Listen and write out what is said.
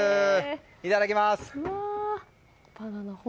いただきます。